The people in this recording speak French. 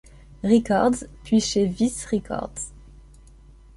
Records, puis chez Vice Records.